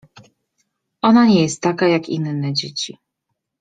— Ona nie jest taka, jak inne dzieci.